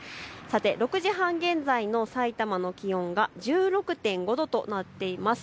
６時半現在のさいたまの気温が１６．５度となっています。